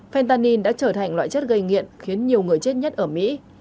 fentanin đã trở thành loại chất gây nghiện khiến nhiều người chết nhất ở mỹ